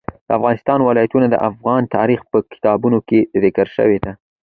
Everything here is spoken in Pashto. د افغانستان ولايتونه د افغان تاریخ په کتابونو کې ذکر شوی دي.